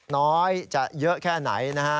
น้อยจะเยอะแค่ไหนนะฮะ